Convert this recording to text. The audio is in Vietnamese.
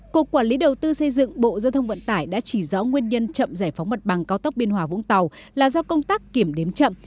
cục quản lý đầu tư xây dựng bộ giao thông vận tải đã chỉ rõ nguyên nhân chậm giải phóng mặt bằng cao tốc biên hòa vũng tàu là do công tác kiểm đếm chậm